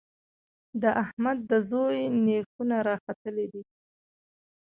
د احمد د زوی نېښونه راختلي دي.